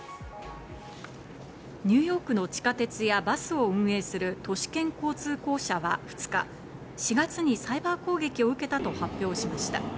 ニューヨークの地下鉄やバスを運営する都市圏交通公社は２日、４月にサイバー攻撃を受けたと発表しました。